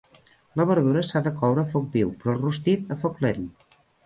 La verdura s'ha de coure a foc viu, però el rostit a foc lent.